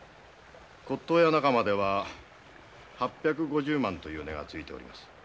骨董屋仲間では８５０万という値がついております。